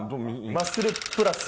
マッスルプラス